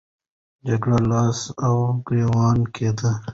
جګړه لاس او ګریوان کېده.